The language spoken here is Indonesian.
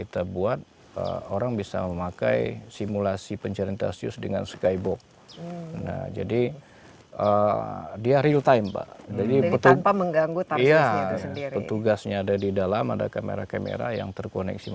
tetap penambang liar ya mungkin